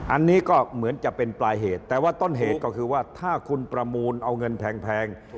อันนี้ก็เหมือนจะเป็นปลายเหตุแต่ว่าต้นเหตุก็คือว่าถ้าคุณประมูลเอาเงินแพง